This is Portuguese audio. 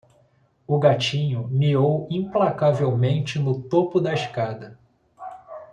O gatinho miou implacavelmente no topo da escada.